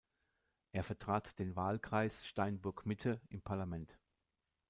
Er vertrat den Wahlkreis Steinburg-Mitte im Parlament.